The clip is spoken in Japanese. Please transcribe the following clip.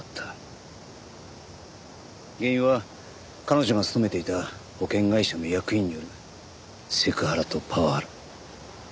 原因は彼女が勤めていた保険会社の役員によるセクハラとパワハラ。